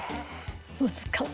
難しい。